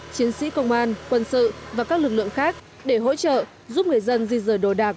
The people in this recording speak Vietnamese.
chiến sĩ công an quân sự và các lực lượng khác để hỗ trợ giúp người dân di rời đồ đạc